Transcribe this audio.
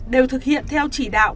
đều thực hiện theo chỉ đạo